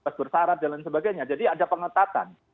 bebas bersyarat dan lain sebagainya jadi ada pengetatan